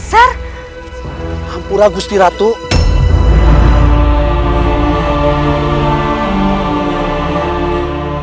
jangan kurang ajar kalian